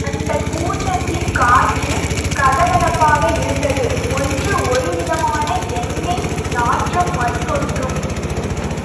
அந்தக் கூடத்தின் காற்று கதகதப்பாக இருந்தது ஒன்று ஒருவிதமான எண்ணெய் நாற்றம் மற்றொன்று.